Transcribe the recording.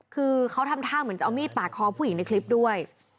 คือเขาทำท่าเหมือนจะเอามีดปาดคอผู้หญิงในคลิปด้วย